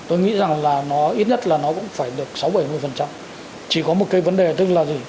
tôi nghĩ rằng là nó ít nhất là nó cũng phải được sáu mươi bảy mươi chỉ có một cái vấn đề tức là gì